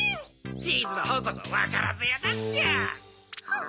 チーズのほうこそわからずやだっちゃ。